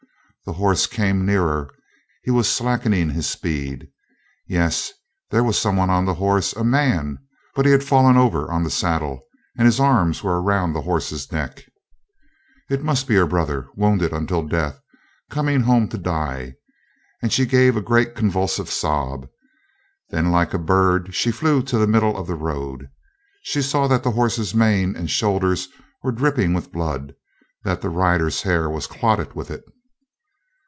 The horse came nearer; he was slackening his speed. Yes, there was some one on the horse—a man—but he had fallen over on the saddle, and his arms were around the horse's neck. It must be her brother, wounded unto death, coming home to die, and she gave a great convulsive sob. Then like a bird she flew to the middle of the road. She saw that the horse's mane and shoulders were dripping with blood, that the rider's hair was clotted with it.